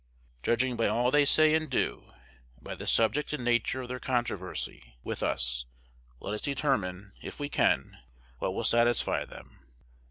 Judging by all they say and do, and by the subject and nature of their controversy with us, let us determine, if we can, what will satisfy them.